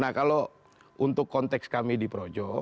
nah kalau untuk konteks kami di projo